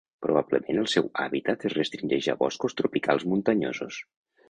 Probablement el seu hàbitat es restringeix a boscos tropicals muntanyosos.